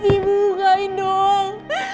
ibu bukain dong